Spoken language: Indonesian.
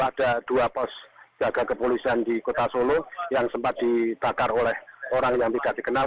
ada dua pos jaga kepolisian di kota solo yang sempat dibakar oleh orang yang tidak dikenal